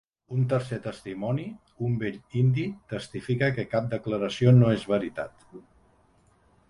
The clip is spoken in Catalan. Un tercer testimoni, un vell indi, testifica que cap declaració no és veritat.